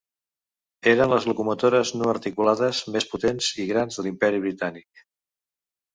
Eren les locomotores no articulades més potents i grans de l'imperi Britànic.